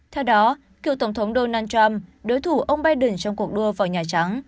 theo đó cựu tổng thống donald trump đối thủ ông biden trong cuộc đua vào nhà trắng